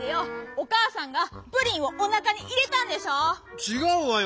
お母さんが「プリンをおなかにいれた」んでしょ⁉ちがうわよ。